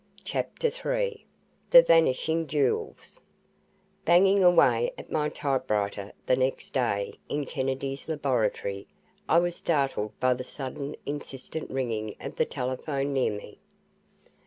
CHAPTER III THE VANISHING JEWELS Banging away at my typewriter, the next day, in Kennedy's laboratory, I was startled by the sudden, insistent ringing of the telephone near me.